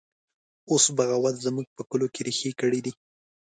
اوس بغاوت زموږ په کلو کې ریښې کړي دی